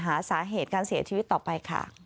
หาสาเหตุการเสียชีวิตต่อไปค่ะ